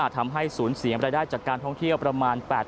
ทำให้สูญเสียรายได้จากการท่องเที่ยวประมาณ๘๐